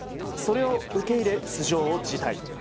それを受け入れ出場を辞退。